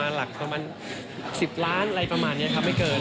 อาจจะตั้งประมาณหลักประมาณ๑๐ล้านอะไรไม่เกิน